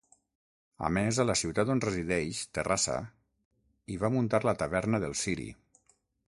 A més a la ciutat on resideix, Terrassa, hi va muntar la Taverna del Ciri.